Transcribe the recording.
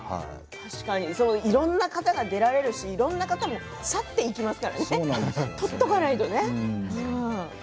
いろんな方が出られるしいろんな方が去っていきますからね撮っておかないとね。